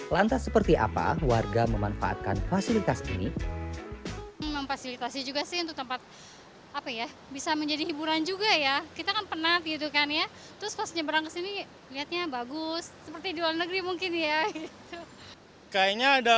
lantas seperti apa warga memanfaatkan fasilitas ini